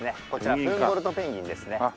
こちらフンボルトペンギンですね。